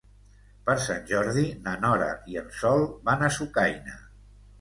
Per Sant Jordi na Nora i en Sol van a Sucaina.